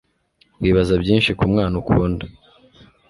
wibaza byinshi ku mwana ukunda